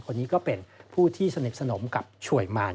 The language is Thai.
คนนี้ก็เป็นผู้ที่สนิทสนมกับช่วยมาร